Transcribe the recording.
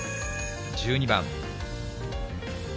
１２番。